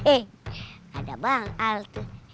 eh ada bang al tuh